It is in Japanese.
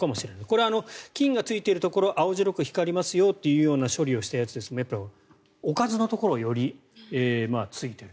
これは菌がついてるところ青白く光りますよという処理をしたものですがおかずのところよりついている。